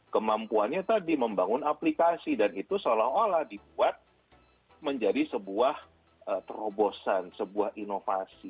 kemampuannya tadi membangun aplikasi dan itu seolah olah dibuat menjadi sebuah terobosan sebuah inovasi